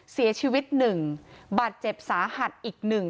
เสียชีวิตหนึ่งบัตรเจ็บสาหัสอีกหนึ่ง